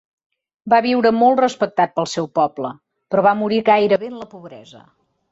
Va viure molt respectat pel seu poble, però va morir gairebé en la pobresa.